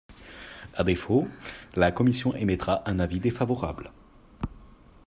À défaut, la commission émettra un avis défavorable.